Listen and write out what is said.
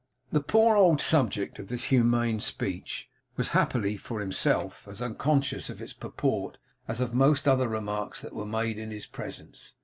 The poor old subject of this humane speech was, happily for himself, as unconscious of its purport as of most other remarks that were made in his presence.